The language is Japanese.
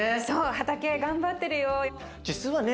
畑頑張ってるよ。